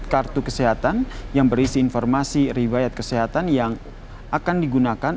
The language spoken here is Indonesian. kartu kesehatan yang berisi informasi riwayat kesehatan yang akan digunakan